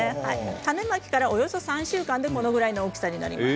種まきから、およそ３週間でこれくらいの大きさになります。